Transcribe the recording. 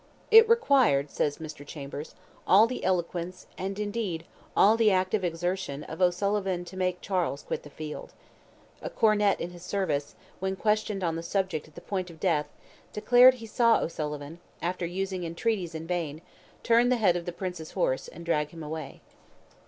"It required," says Mr. Chambers, "all the eloquence, and, indeed, all the active exertion, of O'Sullivan to make Charles quit the field. A cornet in his service, when questioned on this subject at the point of death, declared he saw O'Sullivan, after using entreaties in vain, turn the head of the prince's horse and drag him away."